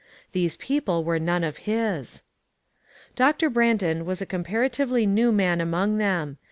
These people were none of his. Doctor Brandon was a comparatively new man among them.